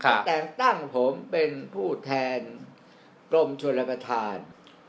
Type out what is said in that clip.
แต่งตั้งผมเป็นผู้แทนกรมชนประธาน